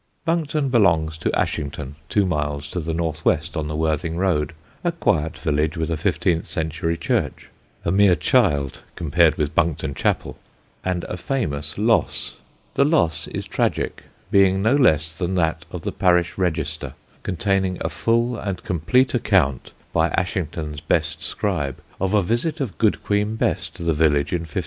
Buncton belongs to Ashington, two miles to the north west on the Worthing road, a quiet village with a fifteenth century church (a mere child compared with Buncton Chapel) and a famous loss. The loss is tragic, being no less than that of the parish register containing a full and complete account, by Ashington's best scribe, of a visit of Good Queen Bess to the village in 1591.